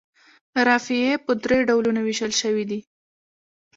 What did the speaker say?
رافعې په درې ډولونو ویشل شوي دي.